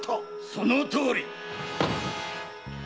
そのとおり！